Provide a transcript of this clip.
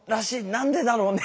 何でだろうね」